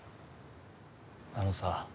あのさ。